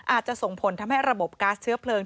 อาจจะส่งผลทำให้ระบบก๊าซเชื้อเพลิง